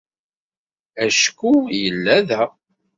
Acku yella da.